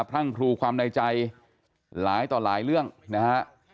เพราะเนี่ยคนนี้ฉันรักเขา